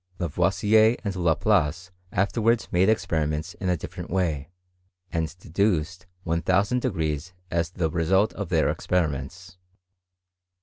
Lavoisier and Laplace afterwards made experiments in a different way, and deduced 1000^ as the result of their experiments.